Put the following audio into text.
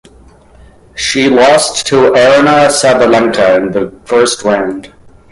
She lost to Aryna Sabalenka in the first round.